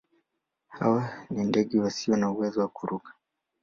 Hawa ni ndege wasio na uwezo wa kuruka.